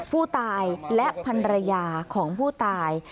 ผู้ตายและพันรยาของผู้ตาย